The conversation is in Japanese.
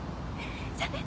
じゃあね。